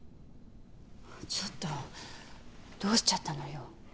ちょっとどうしちゃったのよ。